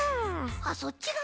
あっそっちがわにね。